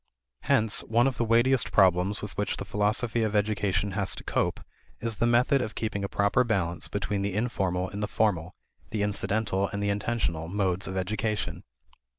Hence one of the weightiest problems with which the philosophy of education has to cope is the method of keeping a proper balance between the informal and the formal, the incidental and the intentional, modes of education.